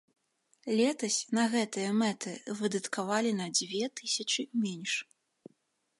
Летась на гэтыя мэты выдаткавалі на дзве тысячы менш.